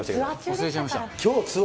忘れちゃいました。